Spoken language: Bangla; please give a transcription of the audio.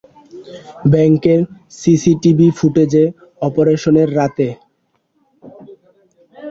ব্যাংককের সিসিটিভি ফুটেজে, অপারেশনের রাতের।